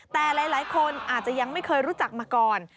แต่หลายคนอาจจะยังไม่เคยรู้จักมาก่อน